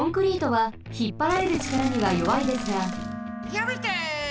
やめて！